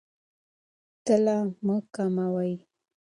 تله مه کموئ.